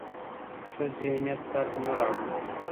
ښه ذهنیت درد نه راوړي.